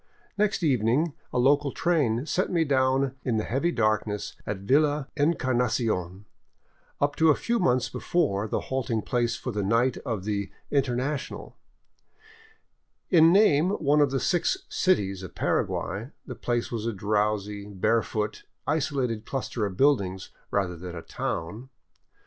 Next evening a local train set me down in the heavy darkness at Villa Encarnacion, up to a few months before the halting place for the night of the " Internacional." 606 SOUTHWARD THROUGH GUARANI LAND In name one of the six " cities " of Paraguay, the place was a drowsy, barefoot, isolated cluster of buildings, rather than a town.